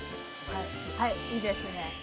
はいいいですね。